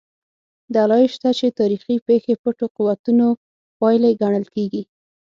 دلایل شته چې تاریخي پېښې پټو قوتونو پایلې ګڼل کېږي.